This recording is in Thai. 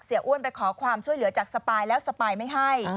อ้วนไปขอความช่วยเหลือจากสปายแล้วสปายไม่ให้